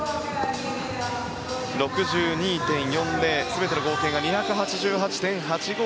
６２．４０で全ての合計が２８８．８５。